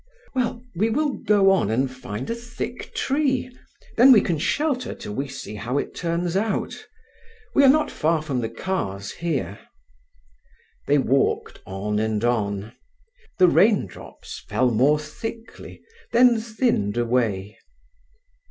"Well, we will go on and find a thick tree; then we can shelter till we see how it turns out. We are not far from the cars here." They walked on and on. The raindrops fell more thickly, then thinned away.